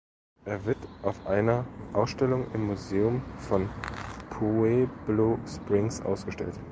Er wird auf einer Ausstellung im Museum von Pueblo Springs ausgestellt.